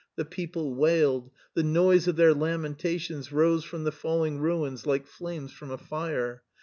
The people wailed; the noise of their lamentations rose from the falling ruins like flames from a fire.